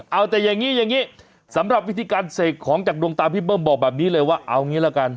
เอาแต่อย่างนี้อย่างนี้สำหรับวิธีการเสกของจากดวงตาพี่เบิ้มบอกแบบนี้เลยว่าเอางี้ละกัน